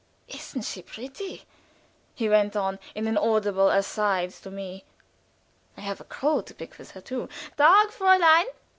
"Isn't she pretty?" he went on, in an audible aside to me. "I've a crow to pluck with her too. Tag, Fräulein!"